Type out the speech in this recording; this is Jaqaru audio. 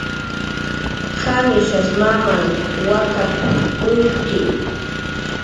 "¿Qamishas mamam wakap"" uywki?"